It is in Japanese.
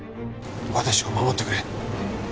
私を護ってくれ。